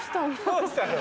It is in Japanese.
どうしたの？